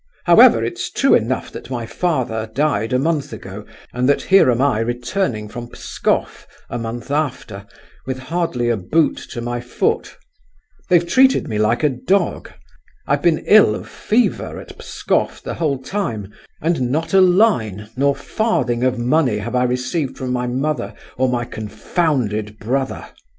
"However, it's true enough that my father died a month ago, and that here am I returning from Pskoff, a month after, with hardly a boot to my foot. They've treated me like a dog! I've been ill of fever at Pskoff the whole time, and not a line, nor farthing of money, have I received from my mother or my confounded brother!"